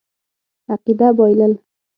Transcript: عقیده بایلل.